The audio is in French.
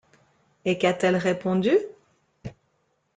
Et qu'a-t-elle répondu?